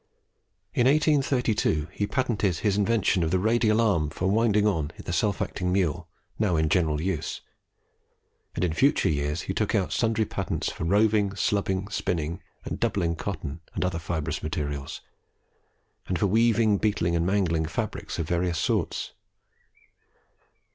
In 1832 he patented his invention of the Radial Arm for "winding on" in the self acting mule, now in general use; and in future years he took out sundry patents for roving, slubbing, spinning, and doubling cotton and other fibrous materials; and for weaving, beetling, and mangling fabrics of various sorts.